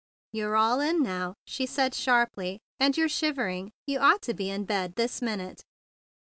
"You're all in now!" she said sharply. "And you're shivering! You ought to be in bed this minute."